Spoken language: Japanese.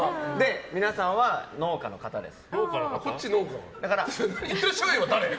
皆さんは農家の方です。